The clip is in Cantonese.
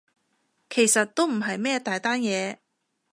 其實都唔係咩大單嘢